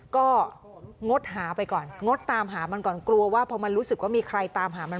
ก็งดหาไปก่อนงดตามหามันก่อนกลัวว่าพอมันรู้สึกว่ามีใครตามหามัน